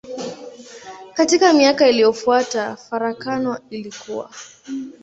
Katika miaka iliyofuata farakano ilikua.